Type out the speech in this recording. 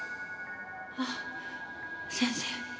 ああ先生。